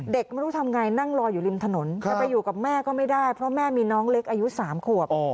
เด็กไม่รู้ทำไงนั่งรออยู่ริมถนนจะไปอยู่กับแม่ก็ไม่ได้เพราะแม่มีน้องเล็กอายุ๓ขวบ